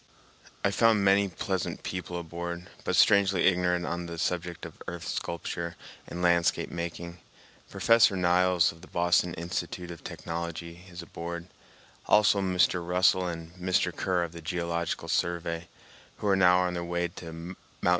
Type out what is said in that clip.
I found many pleasant people aboard, but strangely ignorant on the subject of earth sculpture and landscape making. Professor Niles, of the Boston Institute of Technology, is aboard; also Mr. Russell and Mr. Kerr of the Geological Survey, who are now on their way to Mt.